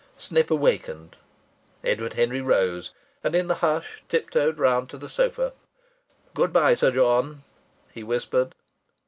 Snip awakened. Edward Henry rose, and, in the hush, tiptoed round to the sofa. "Good bye, Sir John," he whispered.